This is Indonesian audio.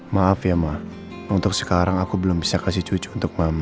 maaf ya mak untuk sekarang aku belum bisa kasih cucu untuk mama